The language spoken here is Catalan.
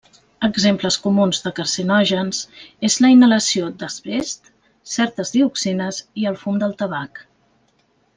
Exemples comuns de carcinògens és la inhalació d'asbest, certes dioxines i el fum del tabac.